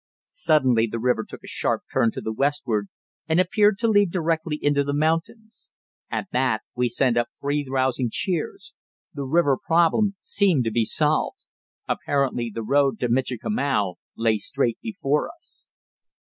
Suddenly the river took a sharp turn to the westward, and appeared to lead directly into the mountains. At that we sent up three rousing cheers the river problem seemed to be solved; apparently the road to Michikamau lay straight before us.